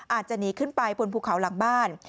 อาจจะหนีขึ้นไปบนภูเขาหลังบ้าน